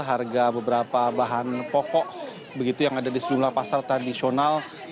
harga beberapa bahan pokok begitu yang ada di sejumlah pasar tradisional